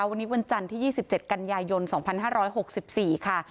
วันนี้วันจันทร์ที่ยี่สิบเจ็ดกันยายนสองพันห้าร้อยหกสิบสี่ค่ะ